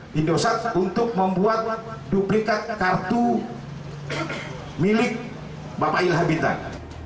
di dosa untuk membuat duplikat kartu milik bapak ilham bintang